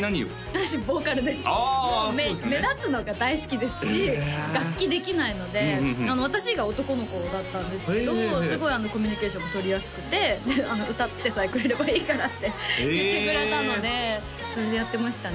私ボーカルですあそうですよね目立つのが大好きですし楽器できないので私以外男の子だったんですけどすごいコミュニケーションも取りやすくて「歌ってさえくれればいいから」って言ってくれたのでそれでやってましたね